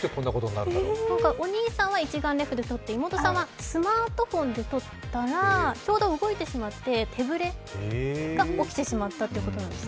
お兄さんは一眼レフで撮って、妹さんはスマートフォンで撮ったらちょうど動いてしまって手ぶれが起こってしまったそうです。